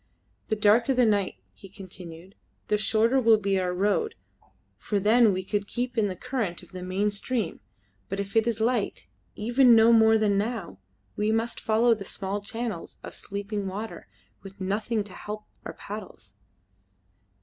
"The darker the night," he continued, "the shorter will be our road, for then we could keep in the current of the main stream, but if it is light even no more than now we must follow the small channels of sleeping water, with nothing to help our paddles."